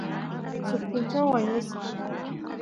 suk punchaw wañusaq